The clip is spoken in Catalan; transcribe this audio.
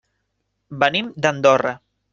Venim d'Andorra.